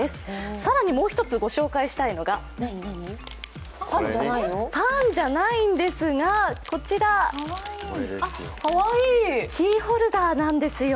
更にもう一つ御紹介したいのが、パンじゃないんですがこちらキーホルダーなんですよ。